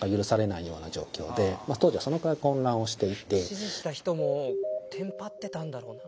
指示した人もテンパってたんだろうな。